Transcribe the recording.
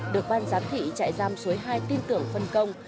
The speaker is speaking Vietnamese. được ban giám thị trại giam suối hai tin tưởng phân công